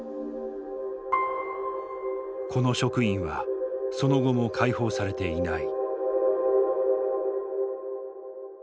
この職員はその後も解放されていない。